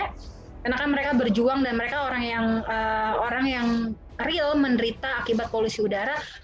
karena kan mereka berjuang dan mereka orang yang real menderita akibat polusi udara